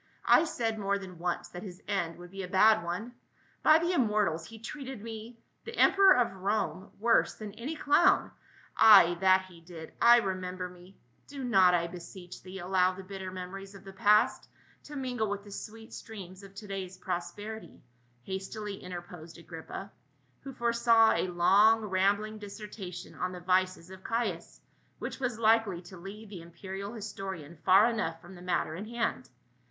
" I said more than once that his end would be a bad one. By the im mortals, he treated me — the emperor of Rome — worse than any clown. Ay, that he did ; I remember me —"" Do not, I beseech thee, allow the bitter memories of the past to mingle with the sweet streams of to day's prosperity," hastily interposed Agrippa, who fore saw a long rambling dissertation on the vices of Caius, which was likely to lead the imperial historian far enough from the matter in hand.